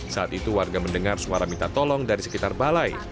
saat itu warga mendengar suara minta tolong dari sekitar balai